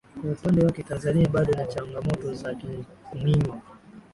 Kwa upande wake Tanzania bado inachangamoto za kuminywa